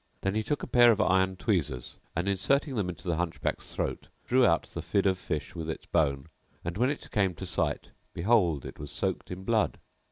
Then he took a pair of iron tweezers and, inserting them into the Hunchback's throat, drew out the fid of fish with its bone; and, when it came to sight, behold, it was soaked in blood.